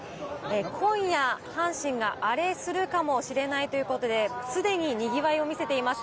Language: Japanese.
今夜、阪神がアレするかもしれないということで既ににぎわいを見せています。